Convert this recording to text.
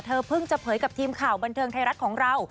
เพิ่งจะเผยกับทีมข่าวบันเทิงไทยรัฐของเรา